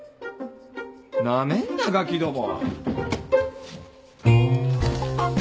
なめんなガキども！